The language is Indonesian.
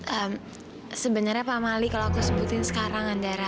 ehm sebenernya pak mali kalo aku sebutin sekarang andara